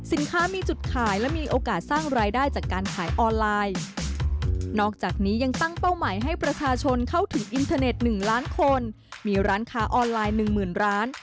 อินเทอร์เน็ต๑ล้านคนมีร้านค้าออนไลน์๑๐๐๐๐ร้าน